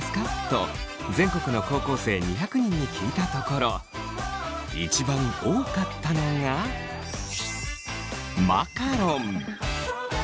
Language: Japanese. と全国の高校生２００人に聞いたところ一番多かったのがマカロン！